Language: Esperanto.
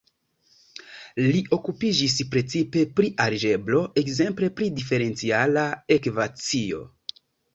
Li okupiĝis precipe pri algebro, ekzemple pri diferenciala ekvacio.